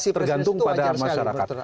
artinya tergantung pada masyarakat